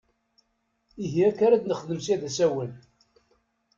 Ihi akka ar ad nexdem sya d asawen!